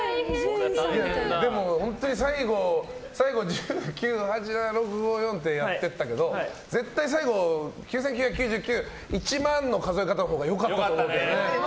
でも本当に最後１０、９、８ってやってたけど絶対最後、９９９９１万！の数え方のほうが良かったと思いますけどね。